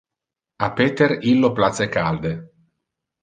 A Peter illo place calde.